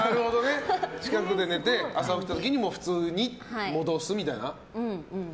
近くで寝て、朝起きた時普通に戻すみたいな。